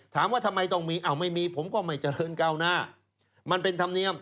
ถามว่าทำไมต้องมีอ้าวไม่มีไม่มีผมก็ไม่เจริญก้าวหน้ามันเป็นธรรมเนียม